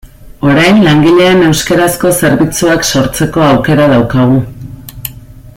Orain langileen euskarazko zerbitzuak sortzeko aukera daukagu.